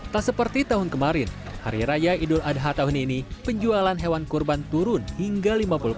tak seperti tahun kemarin hari raya idul adha tahun ini penjualan hewan kurban turun hingga lima puluh persen